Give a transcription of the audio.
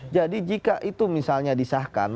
jadi jika itu misalnya disahkan